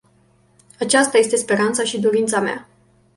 Aceasta este speranța și dorința mea.